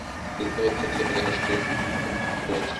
দ্রুতপদে নীচে চলিয়া গেল–পদশব্দ গোপন করিবার চেষ্টাও রহিল না।